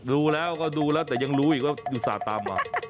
ดูแล้วก็ดูแล้วแต่ยังรู้อีกว่าอุตส่าห์ตามมา